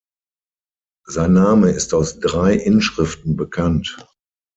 Sein Name ist aus drei Inschriften bekannt.